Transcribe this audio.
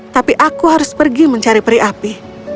tapi aku harus pergi mencari peri api